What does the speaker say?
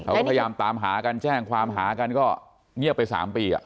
เขาก็พยายามตามหากันแจ้งความหากันก็เงียบไป๓ปี